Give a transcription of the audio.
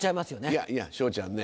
いやいや昇ちゃんね